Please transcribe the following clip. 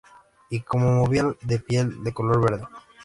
Y como momia de piel de color verde.